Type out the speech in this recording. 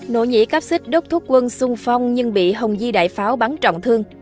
nội nhị cáp xích đốt thuốc quân sung phong nhưng bị hồng di đại pháo bắn trọng thương